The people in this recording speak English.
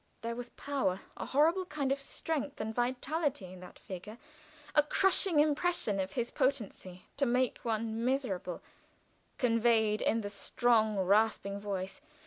There was power a horrible kind of strength and vitality in that figure a crushing impression of his potency to make one miserable, conveyed in the strong, rasping voice.